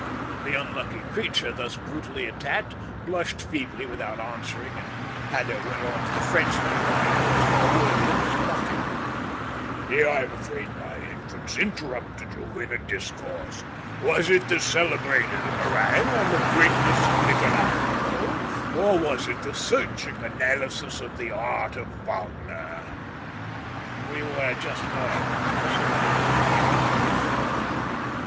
The unlucky creature, thus brutally attacked, blushed feebly without answering, and Haddo went on to the Frenchman, Meyer as more worthy of his mocking. "I'm afraid my entrance interrupted you in a discourse. Was it the celebrated harangue on the greatness of Michelangelo, or was it the searching analysis of the art of Wagner?" "We were just going," said Meyer, getting up with a frown.